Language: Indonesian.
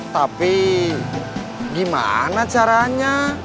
tapi gimana caranya